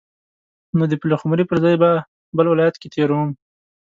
نو د پلخمري پر ځای به بل ولایت کې تیروم.